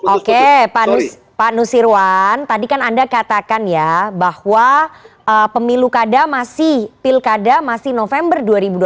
oke pak nusirwan tadi kan anda katakan ya bahwa pemilu kada masih pilkada masih november dua ribu dua puluh empat